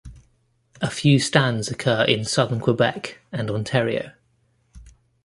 A few stands occur in southern Quebec and Ontario.